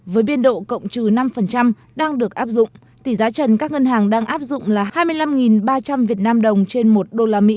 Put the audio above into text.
với biên độ cộng trừ năm đang được áp dụng tỷ giá trần các ngân hàng đang áp dụng là hai mươi năm ba trăm linh việt nam đồng trên một usd